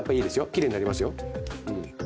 きれいになりますよ。